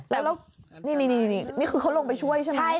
แล้วนี่คือเขาลงไปช่วยใช่ไหม